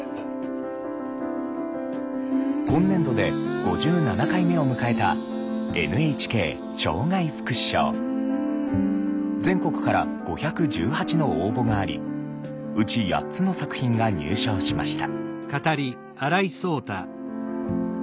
今年度で５７回目を迎えた全国から５１８の応募がありうち８つの作品が入賞しました。